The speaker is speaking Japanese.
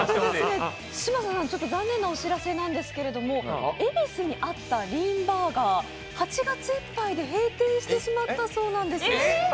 嶋佐さん残念なお知らせなんですけど恵比寿にあったＬＥＡＮＢＵＲＧＥＲ’Ｓ８月いっぱいで閉店してしまったそうなんです。